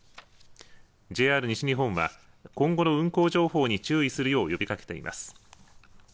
ＪＲ西日本は今後の運行情報に注意するよう呼びかけています。